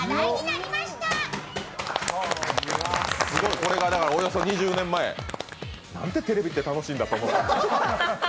これがおよそ２０年前。なんてテレビって楽しいんだと思う。